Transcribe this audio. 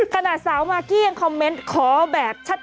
สาวมากกี้ยังคอมเมนต์ขอแบบชัด